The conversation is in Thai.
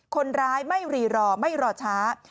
คนร้ายไม่รีรอไม่รอช้า